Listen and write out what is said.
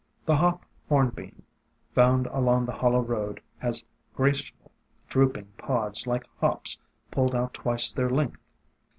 The Hop Hornbeam found along the Hollow road has graceful, drooping pods like Hops pulled out twice their length.